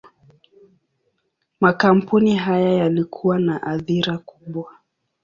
Makampuni haya yalikuwa na athira kubwa.